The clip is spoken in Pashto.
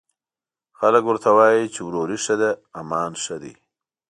خلک ورته وايي، چې وروري ښه ده، امان ښه دی